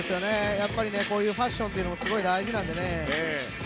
こういうファッションというのもすごい大事なんでね。